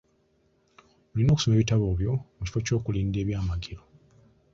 Olina okusoma ebitabo byo mu kifo ky'okulinda ekyamagero.